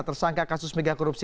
tersangka kasus megakorupsi